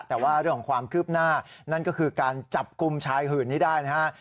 แต่ว่าเรื่องของความคืบหน้านั่นก็คือการจับกลุ่มชายหื่นนี้ได้นะฮะ